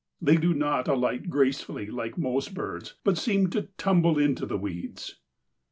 They do not alight gracefully like most birds, but seem to tumble into the weeds."